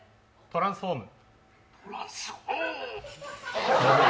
トランスフォーム！